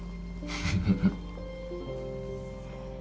フフフ。